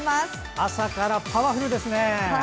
朝からパワフルですね。